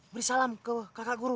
beri salam ke kakak guru